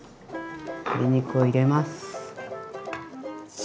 鶏肉を入れます。